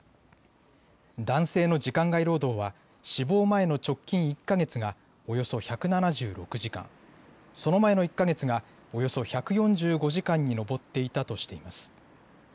男性の時間外労働は死亡前の直近１か月がおよそ１７６時間、その前の１か月がおよそ１４５時間に上っていたとしています。